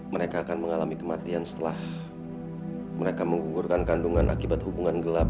mereka akan mengalami kematian setelah mereka menggugurkan kandungan akibat hubungan gelap